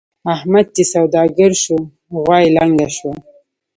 احمد چې سوداګر شو؛ غوا يې لنګه شوه.